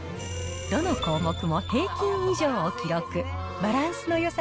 どの項目も平均以上を記録。